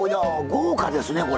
豪華ですねこれ。